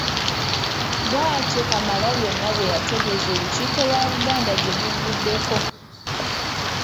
Bw’atyo Kamalabyonna bwe yategeeza Olukiiko lwa Buganda gye buvuddeko.